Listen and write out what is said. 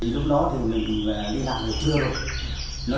lúc đó thì mình đi làm từ trưa